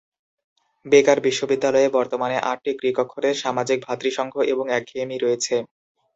বেকার বিশ্ববিদ্যালয়ে বর্তমানে আটটি গ্রিক অক্ষরের সামাজিক ভ্রাতৃসংঘ এবং একঘেয়েমি রয়েছে।